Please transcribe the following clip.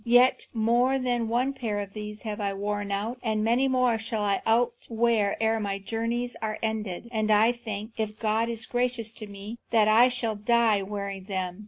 Yet more than one pair of these have I outworn, and many more shall I outwear ere my journeys are ended. And I think, if God is gracious to me, that I shall die wearing them.